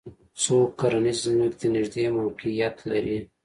څوک کرنیزې ځمکې ته نږدې موقعیت لري